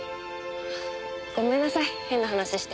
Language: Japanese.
ごめんなさい変な話して。